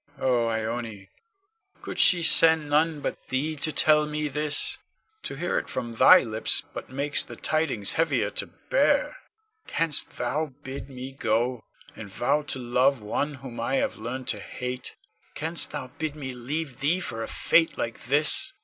Con. Oh, Ione, could she send none but thee to tell me this? To hear it from thy lips but makes the tidings heavier to bear. Canst thou bid me go, and vow to love one whom I have learned to hate? Canst thou bid me leave thee for a fate like this?